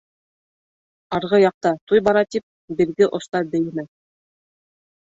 Арғы яҡта туй бара тип, бирге оста бейемә.